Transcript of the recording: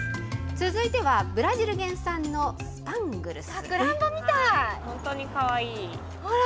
続いてはブラジル原産のスパングルス。